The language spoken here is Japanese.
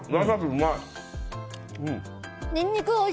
うまい！